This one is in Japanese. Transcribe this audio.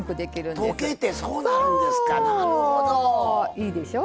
いいでしょ？